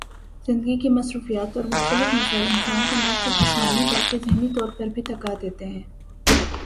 زندگی کی مصروفیات اور مختلف مسائل انسان کو نہ صرف جسمانی بلکہ ذہنی طور پر بھی تھکا دیتے ہیں